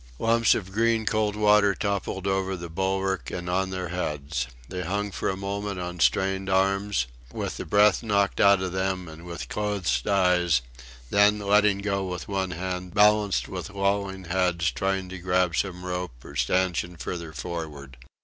Lumps of green cold water toppled over the bulwark and on their heads. They hung for a moment on strained arms, with the breath knocked out of them, and with closed eyes then, letting go with one hand, balanced with lolling heads, trying to grab some rope or stanchion further forward.